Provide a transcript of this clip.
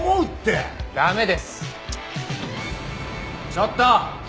ちょっと！